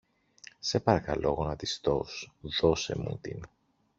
σε παρακαλώ γονατιστός, δώσε μου την